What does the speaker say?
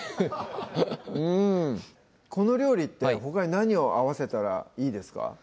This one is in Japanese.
はいうんこの料理ってほかに何を合わせたらいいですか？